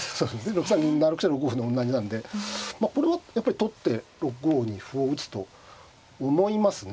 ６三銀７六飛車６五歩でおんなじなんでこれはやっぱり取って６五に歩を打つと思いますね。